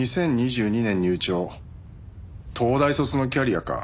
２０２２年入庁東大卒のキャリアか。